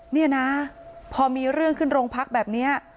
นี่นะพอมีเรื่องขึ้นโรงพักแบบนี้